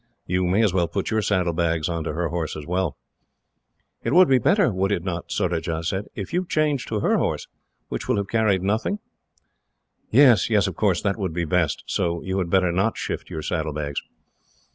You may as well put your saddlebags on to her horse, also." "It would be better, would it not," Surajah said, "if you change to her horse, which will have carried nothing?" "Yes, of course that would be best, so you had better not shift your saddlebags."